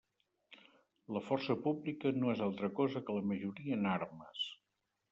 La força pública no és altra cosa que la majoria en armes.